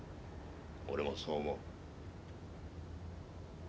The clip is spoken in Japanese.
俺もそう思う。